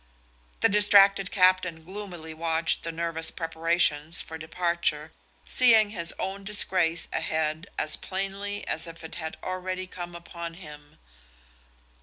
The distracted captain gloomily watched the nervous preparations for departure, seeing his own disgrace ahead as plainly as if it had already come upon him.